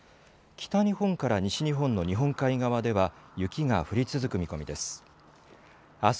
北日本から西日本の日本海側では雪が降り続く見込みです。